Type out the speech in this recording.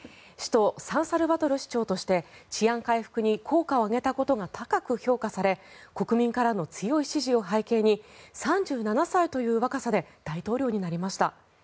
首都サンサルバドル市長として治安回復に効果を上げたことが高く評価され国民からの強い支持を背景に３７歳という若さで大統領になりました。